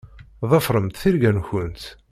Ḍefṛemt tirga-nkent.